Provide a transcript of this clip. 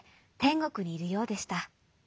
ごくにいるようでした。